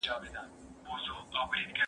د غوږونو کاڼه کیدل څنګه درملنه کیږي؟